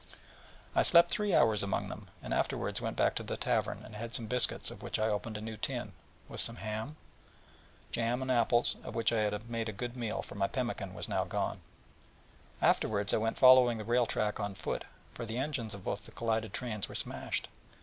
I slept three hours among them, and afterwards went back to the tavern, and had some biscuits of which I opened a new tin, with some ham, jam and apples, of which I made a good meal, for my pemmican was gone. Afterwards I went following the rail track on foot, for the engines of both the collided trains were smashed.